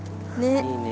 いいね。